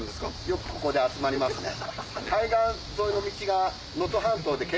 よくここで集まりますね。